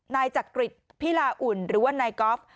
นายจักริจพิลาอุ่นหรือว่านายกอล์ฟ